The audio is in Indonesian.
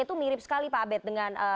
itu mirip sekali pak abed dengan